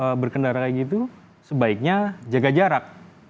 kalau berkendara kayak gitu sebaiknya jaga jarak